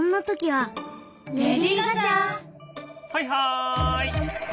はいはい！